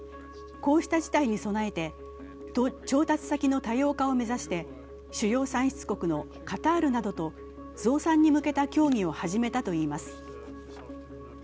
こうした事態に備えて、調達先の多様化を目指して主要産出国のカタールなどと増産に向けた協議を始めたといいます。